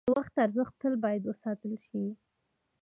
د وخت ارزښت تل باید وساتل شي.